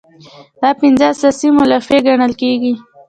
دا پنځه اساسي مولفې ګڼل کیږي.